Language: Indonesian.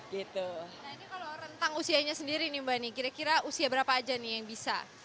nah ini kalau rentang usianya sendiri nih mbak nih kira kira usia berapa aja nih yang bisa